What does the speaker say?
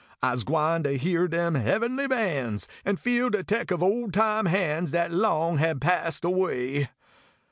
Ise gwine to hear dem heavenly bands, An feel de tech of ole time hands Dat long hab passed away.